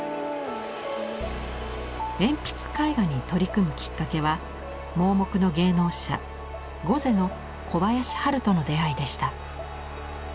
鉛筆絵画に取り組むきっかけは盲目の芸能者瞽女の小林ハルとの出会いでした。